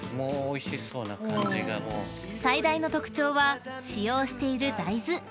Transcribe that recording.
［最大の特徴は使用している大豆］